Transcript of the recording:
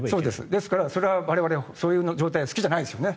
ですから、我々はそういう状態は好きじゃないですよね。